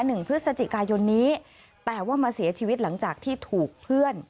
หนึ่งพฤศจิกายนนี้แต่ว่ามาเสียชีวิตหลังจากที่ถูกเพื่อน